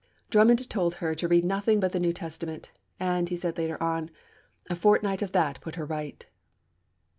Drummond told her to read nothing but the New Testament, and, he said later on, 'A fortnight of that put her right!'